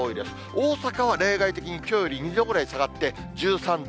大阪は例外的にきょうより２度ぐらい下がって１３度。